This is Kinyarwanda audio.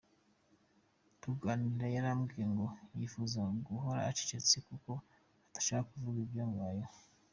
Tuganira yarambwiye ko yifuza guhora acecetse kuko atashakaga kuvuga ibyamubayeho.